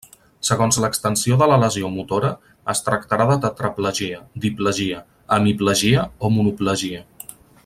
Segons l'extensió de la lesió motora, es tractarà de tetraplegia, diplegia, hemiplegia o monoplegia.